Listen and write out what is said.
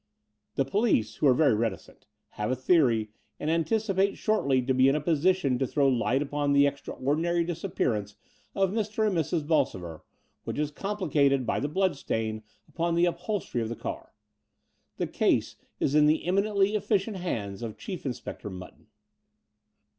The police, who are very reticent, have a theory, and anticipate shortly to be in a position to throw light upon the extraordinary disappearance of Mr. and Mrs. Bolsover, which is complicated by the bloodstain upon the upholstery of the car. The case is in the eminently efficient hands of Chief Inspector Mutton.